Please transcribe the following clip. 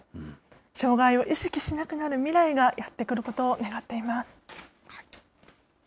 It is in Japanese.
障害を意識しなくなる未来がやって来ることを願っています。